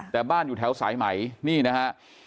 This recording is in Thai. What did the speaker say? แต่บ้านอยู่แถวสายใหม่นี่นะฮะ